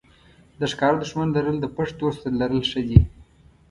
د ښکاره دښمن لرل د پټ دوست تر لرل ښه دي.